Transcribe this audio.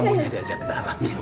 kamunya diajak ke dalam ya